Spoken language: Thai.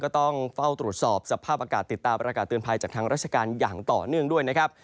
ต้องเฝ้าตรวจสอบสภาพอากาศติดตามประกาศเตือนภัยจากทางราชการอย่างต่อเนื่องด้วยนะครับ